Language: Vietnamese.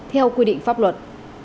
theo quy định pháp luật